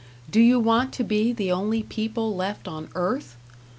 Do you want to be the only people left on earth?